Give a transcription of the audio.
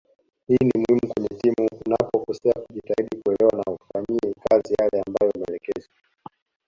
Hii ni muhimu kwenye timu unapokosea jitahidi kuelewa na uyafanyie kazi yale ambayo umeelekezwa